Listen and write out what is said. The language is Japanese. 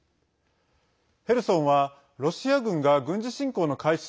ヘルソンはロシア軍が軍事侵攻の開始